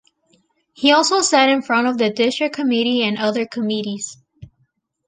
He also sat in front of the district committee and other committees.